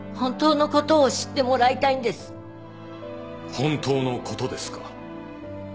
本当のことですか。